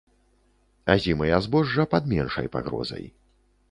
Азімыя збожжа пад меншай пагрозай.